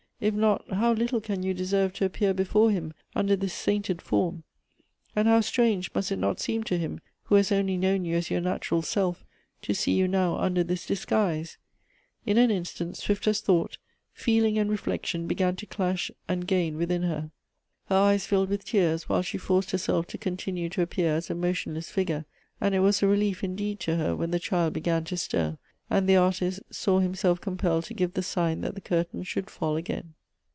If not, how little can you deserve to appear before him under this sainted form ; and how strange must it not seem to him who has only known you as your natural self to see you now under this disguise ? In an instant, swift as thought, feeling and reflection began to clash and gain within her. Her eyes filled with tears, while she forced herself to continue to appear as a motionless figure, and it was a relief, indeed, to her when the child began to stir, — and the artist saw himself compelled to give the sign that the curtain should fall again.